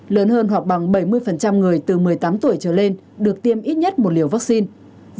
lớn hơn hoặc bằng bảy mươi người từ một mươi tám tuổi trở lên được tiêm ít nhất một liều vaccine